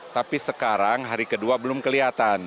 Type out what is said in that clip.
tapi sekarang hari kedua belum kelihatan